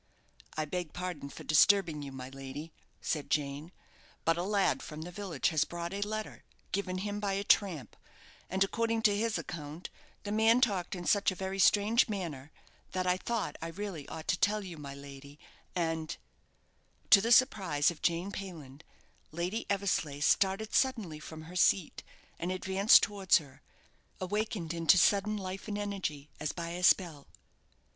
"I beg pardon for disturbing you, my lady," said Jane; "but a lad from the village has brought a letter, given him by a tramp; and, according to his account, the man talked in such a very strange manner that I thought I really ought to tell you, my lady; and " To the surprise of Jane Payland, Lady Eversleigh started suddenly from her seat, and advanced towards her, awakened into sudden life and energy as by a spell.